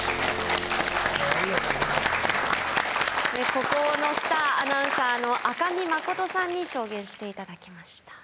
孤高のスターアナウンサーの赤木誠さんに証言して頂きました。